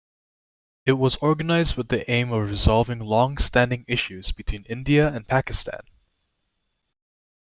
It was organized with the aim of resolving long-standing issues between India and Pakistan.